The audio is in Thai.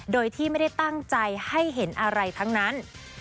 โดยที่ไม่ได้ตั้งใจให้เห็นอะไรทั้งนั้น